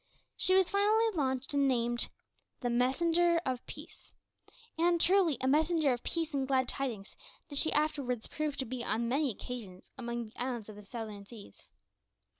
She was finally launched and named The Messenger of Peace. And, truly, a messenger of peace and glad tidings did she afterwards prove to be on many occasions among the islands of the Southern Seas.